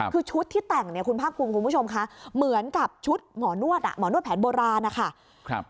คือชุดที่แต่งเนี่ยคุณภาคภูมิคุณผู้ชมค่ะเหมือนกับชุดหมอนวดหมอนวดแผนโบราณนะคะ